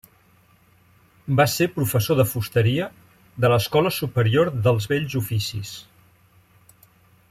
Va ser professor de fusteria de l'Escola Superior dels Bells Oficis.